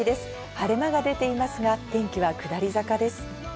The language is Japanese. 晴れ間が出ていますが、天気は下り坂です。